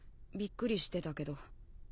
びっくりしてたけど